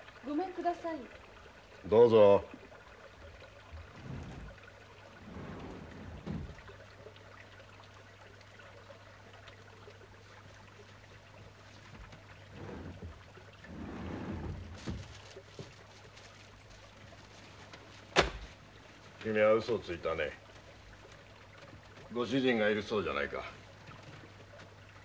ご主人がいるそうじゃないか。